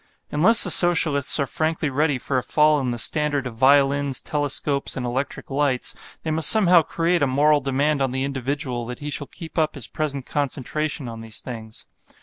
Unless the Socialists are frankly ready for a fall in the standard of violins, telescopes and electric lights, they must somehow create a moral demand on the individual that he shall keep up his present concentration on these things.